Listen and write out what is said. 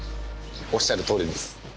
おっしゃるとおりです。